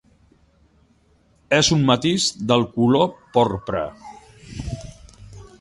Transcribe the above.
És un matís del color porpra.